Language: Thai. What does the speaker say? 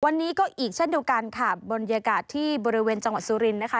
วันนี้ก็อีกเช่นเดียวกันค่ะบรรยากาศที่บริเวณจังหวัดสุรินทร์นะคะ